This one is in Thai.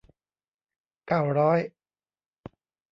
เก้าร้อย